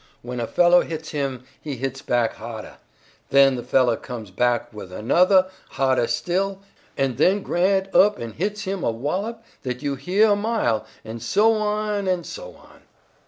When a fellow hits him he hits back ha'dah, then the fellow comes back with anothah ha'dah still, an' then Grant up an' hits him a wallop that you heah a mile, an' so on an' so on."